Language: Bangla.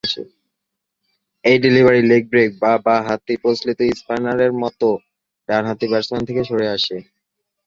এই ডেলিভারি লেগ ব্রেক বা বাঁ-হাতি প্রচলিত স্পিনারের মতো ডানহাতি ব্যাটসম্যান থেকে সরে আসে।